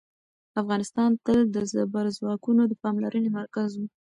افغانستان تل د زبرځواکونو د پاملرنې مرکز و.